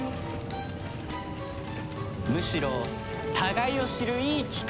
むしろ互いを知るいい機会じゃないか。